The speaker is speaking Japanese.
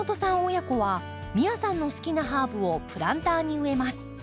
親子は美耶さんの好きなハーブをプランターに植えます。